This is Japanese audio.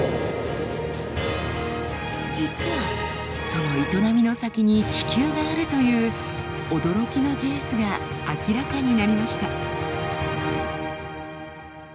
実はその営みの先に地球があるという驚きの事実が明らかになりました。